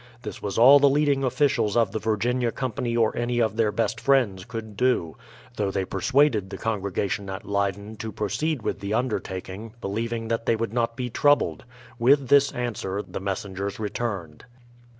This was all the leading officials of the Virginia Company or any of their best friends could do; though they persuaded the Congregation at Leyden to pro ceed with the undertaking, beheving that they would not be troubled. With this answer the messengers returned.